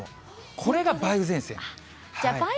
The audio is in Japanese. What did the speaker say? これが梅雨前線。